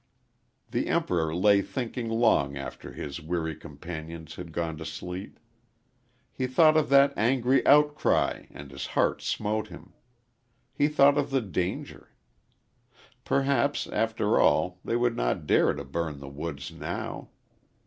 The Emperor lay thinking long after his weary companions had gone to sleep. He thought of that angry outcry and his heart smote him; he thought of the danger. Perhaps, after all, they would not dare to burn the woods now.